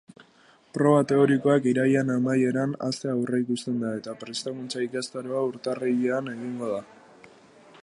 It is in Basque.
Proba teorikoak irailaren amaieran hastea aurreikusten da, eta prestakuntza-ikastaroa urtarrilean egingo da.